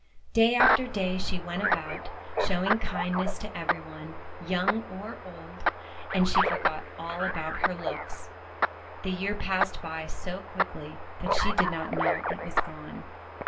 Day after day she went about, showing kind ness to every one, young or old; and she forgot all about her looks. The year passed by so quickly that she did not know it was gone.